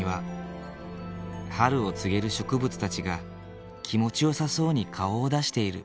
春を告げる植物たちが気持ちよさそうに顔を出している。